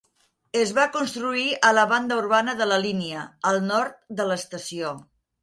Es va construir a la banda urbana de la línia, al nord de l'estació.